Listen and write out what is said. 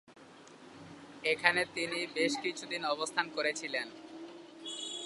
এখানে তিনি বেশ কিছুদিন অবস্থান করেছিলেন।